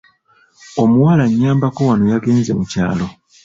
Omuwala anyambako wano yagenze mu kyalo.